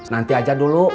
nanti aja dulu